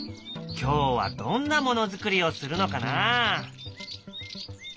今日はどんなものづくりをするのかな？